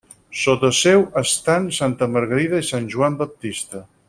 Sota seu estan santa Margarida i sant Joan Baptista.